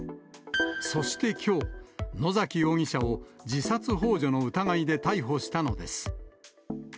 そしてきょう、野崎容疑者を自殺ほう助の疑いで逮捕したのです。